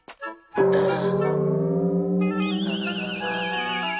ああ。